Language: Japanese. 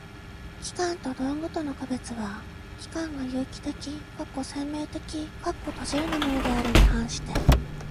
器官と道具との区別は、器官が有機的（生命的）なものであるに反して